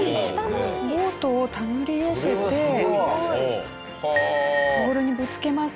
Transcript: ボートを手繰り寄せてボールにぶつけます。